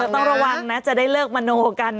ต้องระวังนะจะได้เลิกมโนกัน